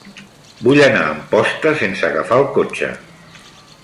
Vull anar a Amposta sense agafar el cotxe.